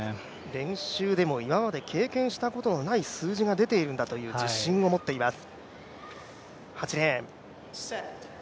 練習でも今まで経験したことのない数字が出ているんだと自信を持っています。